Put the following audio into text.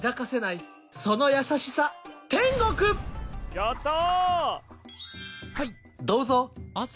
やったー！